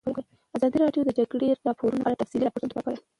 ازادي راډیو د د جګړې راپورونه په اړه تفصیلي راپور چمتو کړی.